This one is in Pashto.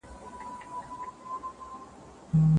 الله تعالی د انسان زړه څنګه اړولای سي؟